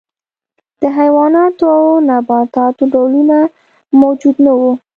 د حیواناتو او نباتاتو ډولونه موجود نه وو.